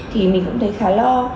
thì mình cũng thấy khá lo